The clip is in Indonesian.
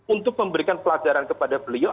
untuk memberikan pelajaran kepada beliau